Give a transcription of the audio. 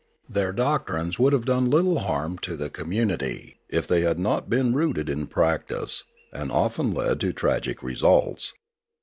Their doctrines would have done little harm to the community, if they had not been rooted in practice, and often led to tragic results.